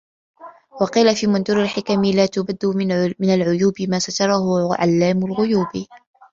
وَقِيلَ فِي مَنْثُورِ الْحِكَمِ لَا تُبْدِ مِنْ الْعُيُوبِ مَا سَتَرَهُ عَلَّامُ الْغُيُوبِ